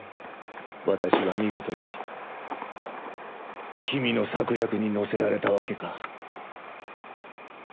私は見事に君の策略に乗せられたわけか。